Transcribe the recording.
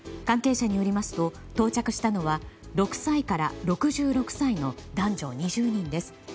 関係者によりますと到着したのは６歳から６６歳の男女２０人です。